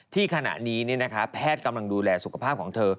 ขณะนี้แพทย์กำลังดูแลสุขภาพของเธอ